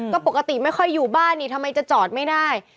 ก็ปกติไม่ค่อยอยู่บ้านนี่ทำไมจะจอดไม่ได้